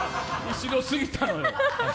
後ろすぎたのよ。